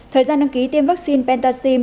thời gian đăng ký tiêm vaccine pentaxim